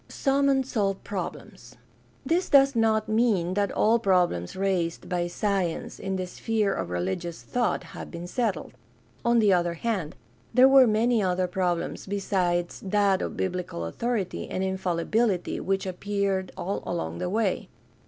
Some unsolved problems. — This does not mean that all problems raised by science in the sphere of religious thought have been settled. On the other hand, there were many other problems besides that of biblical authority and infalli bility which appeared all along the way.